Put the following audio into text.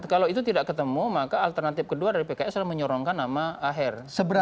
kalau itu tidak ketemu maka alternatif kedua dari pks adalah menyorongkan nama aher